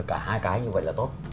cả hai cái như vậy là tốt